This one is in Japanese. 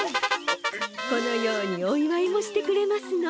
このようにおいわいもしてくれますの。